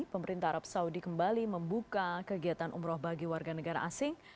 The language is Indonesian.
pemerintah arab saudi kembali membuka kegiatan umroh bagi warga negara asing